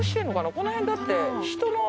この辺だって。